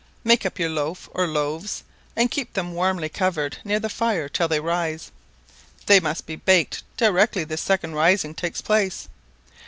Make up your loaf or loaves, and keep them warmly covered near the fire till they rise: they must be baked directly this second rising takes place.